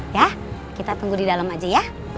ya kita tunggu di dalam aja ya